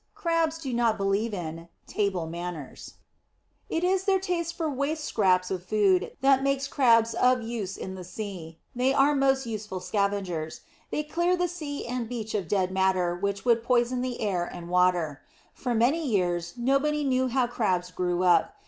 Crabs do not believe in "table manners." [Illustration: THE REDSHANK.] [Illustration: THE CRAB.] It is their taste for waste scraps of food that makes crabs of use in the sea. They are most useful scavengers. They clear the sea and beach of dead matter which would poison the air and water. For many years nobody knew how Crabs grew up.